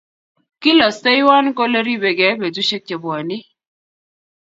kilosteiwon kole ribegei betusiek chebwoni